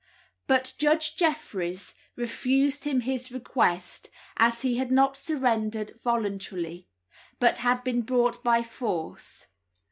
But Judge Jeffreys refused him his request, as he had not surrendered voluntarily, but had been brought by force.